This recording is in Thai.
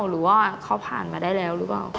หรือว่าเขาผ่านมาได้แล้วหรือเปล่า